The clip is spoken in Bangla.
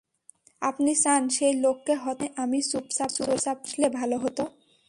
আপনি চান সেই লোককে হত্যার সময় আমি চুপচাপ চলে আসলে ভালো হতো?